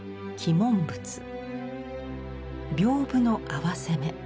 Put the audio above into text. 屏風の合わせ目。